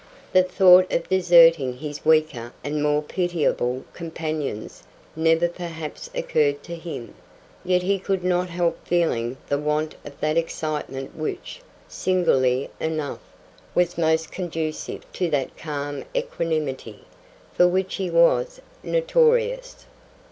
The thought of deserting his weaker and more pitiable companions never perhaps occurred to him. Yet he could not help feeling the want of that excitement which, singularly enough, was most conducive to that calm equanimity for which he was notorious.